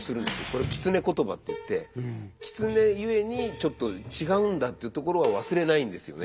これ狐言葉って言って狐ゆえにちょっと違うんだっていうところは忘れないんですよね